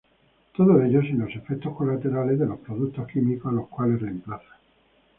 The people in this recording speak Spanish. Todo ello sin los efectos colaterales de los productos químicos a los cuales reemplaza.